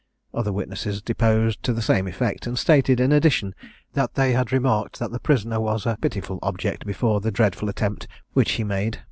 Other witnesses deposed to the same effect; and stated, in addition, that they had remarked that the prisoner was a pitiful object before the dreadful attempt which he made.